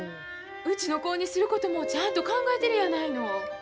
うちの子にすることもちゃんと考えてるやないの。